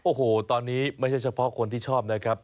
โอ้โหตอนนี้ไม่ใช่เฉพาะคนที่ชอบนะครับ